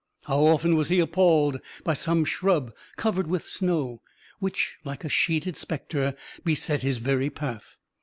How often was he appalled by some shrub covered with snow, which, like a sheeted specter, beset his very path!